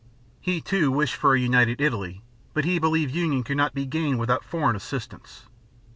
He, too, wished for a united Italy, but he believed union could not be gained without foreign assistance.